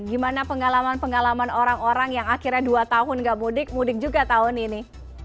gimana pengalaman pengalaman orang orang yang akhirnya dua tahun gak mudik mudik juga tahun ini